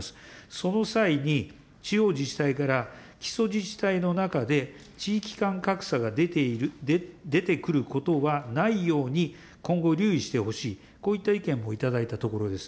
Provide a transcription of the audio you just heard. その際に、地方自治体から基礎自治体の中で地域間格差が出てくることがないように、今後留意してほしい、こういった意見も頂いたところです。